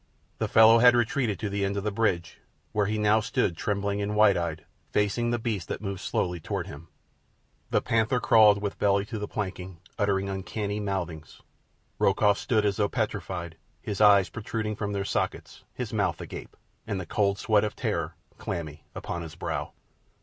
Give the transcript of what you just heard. The fellow had retreated to the end of the bridge, where he now stood trembling and wide eyed, facing the beast that moved slowly toward him. The panther crawled with belly to the planking, uttering uncanny mouthings. Rokoff stood as though petrified, his eyes protruding from their sockets, his mouth agape, and the cold sweat of terror clammy upon his brow.